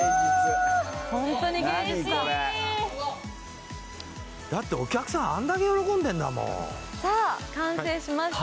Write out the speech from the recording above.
・ホントに芸術だ何これだってお客さんあんだけ喜んでんだもんさあ完成しました